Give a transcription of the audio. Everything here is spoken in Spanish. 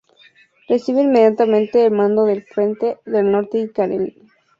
Recibe inmediatamente el mando del frente del Norte y Carelia.